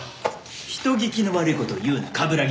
人聞きの悪い事を言うな冠城亘。